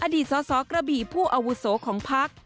อดีตสสกระบี่ผู้อาวุโสของพัก